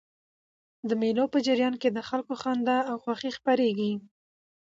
د مېلو په جریان کښي د خلکو خندا او خوښي خپریږي.